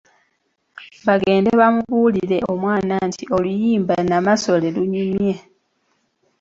Bagende bamubuulire Omwana Nti oluyimba " Namasole " lunyumye!